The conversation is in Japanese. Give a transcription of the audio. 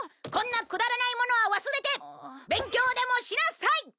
こんなくだらないものは忘れて勉強でもしなさい！